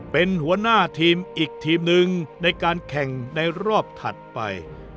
เป็นหัวหน้าทีมอีกทีมหนึ่งในการแข่งในรอบถัดไป